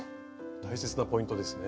大切なポイントですね。